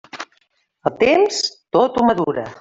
El temps, tot ho madura.